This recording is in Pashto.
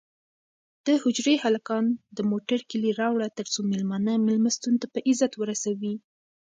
د حجرې هلکانو د موټر کیلي راوړه ترڅو مېلمانه مېلمستون ته په عزت ورسوي.